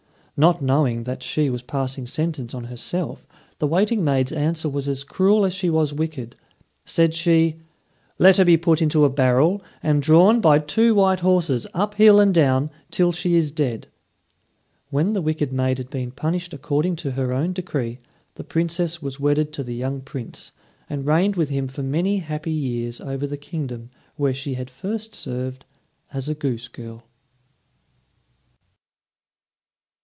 Not knowing that she was passing sentence on herself, the waiting maid's answer was as cruel as she was wicked. Said she: "Let her be put into a barrel, and drawn by two white horses, up hill and down, till she is dead." When the wicked maid had been punished according to her own decree, the Princess was wedded to the young Prince, and reigned with him for many happy years over the kingdom where she had first served as a goose girl.